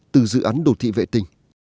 từ dự án đô thị vệ tinh